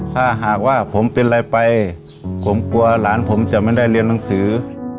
ถ้าหากว่าผมเป็นอะไรไปผมกลัวหลานผมจะไม่ได้เรียนหนังสือ